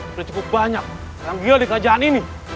sudah cukup banyak yang gila di kerajaan ini